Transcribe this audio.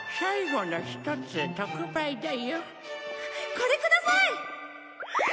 これください！